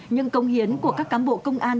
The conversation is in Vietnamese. những công hiến của các cán bộ công an